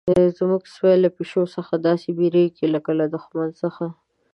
زموږ سپی له پیشو څخه داسې بیریږي لکه له دښمن څخه.